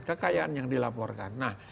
kekayaan yang dilaporkan